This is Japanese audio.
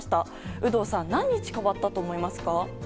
有働さん、何日変わったと思いますか？